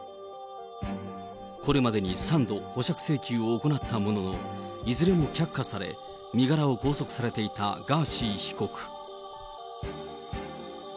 これまでに３度、保釈請求を行ったものの、いずれも却下され、身柄を拘束されていたガーシー被告。